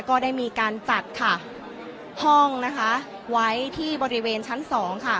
ก็ได้มีการจัดค่ะห้องนะคะไว้ที่บริเวณชั้นสองค่ะ